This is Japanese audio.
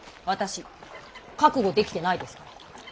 私覚悟できてないですから。